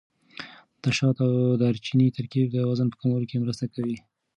د شات او دارچیني ترکیب د وزن په کمولو کې مرسته کوي.